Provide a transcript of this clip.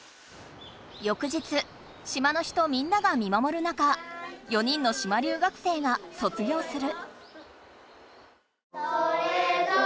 よく日島の人みんなが見まもるなかよにんの島留学生が卒業する。